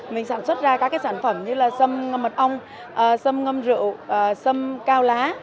mình sản xuất ra các cái sản phẩm như là sâm mật ong sâm ngâm rượu sâm cao lá